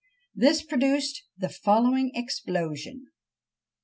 This produced the following explosion!